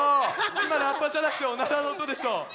いまラッパじゃなくておならのおとでしょ？